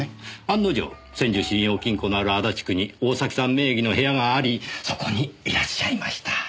案の定千住信用金庫のある足立区に大崎さん名義の部屋がありそこにいらっしゃいました。